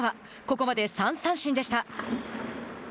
ここまで３三振でした。